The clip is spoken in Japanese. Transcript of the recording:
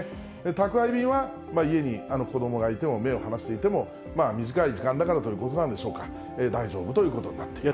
宅配便は家に子どもがいても、目を離していても、短い時間だからということなんでしょうか、大丈夫ということになっています。